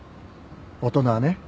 大人はね